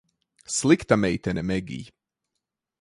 Slikta meitene, Megij.